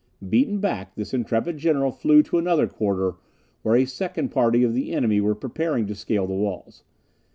Beaten back, this intrepid general flew to another quarter, where a second party of the enemy were preparing to scale the walls.